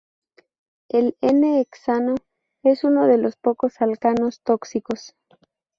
El "n"-hexano es uno de los pocos alcanos tóxicos.